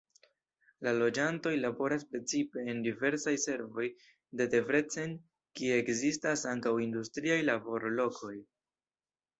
La loĝantoj laboras precipe en diversaj servoj de Debrecen, kie ekzistas ankaŭ industriaj laborlokoj.